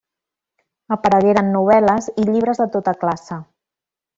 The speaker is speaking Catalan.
Aparegueren novel·les i llibres de tota classe.